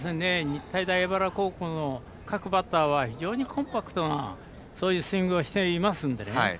日体大荏原高校の各バッターは非常にコンパクトなスイングをしていますのでね